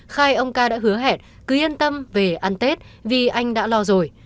khai ông ca đã hứa hẹn cứ yên tâm về ăn tết vì anh đã lo rồi